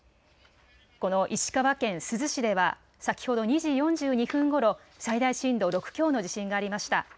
この石川県珠洲市では先ほど２時４２分ごろ、最大震度６強の地震がありました。